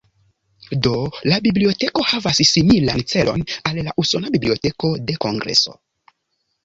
Do, la biblioteko havas similan celon al la usona Biblioteko de Kongreso.